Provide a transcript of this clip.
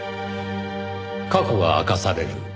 過去が明かされる。